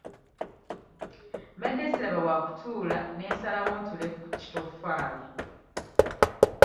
Mbadde siraba wa kutuula ne nsalawo ntuule ku kitoffaali.